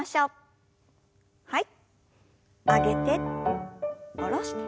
はい。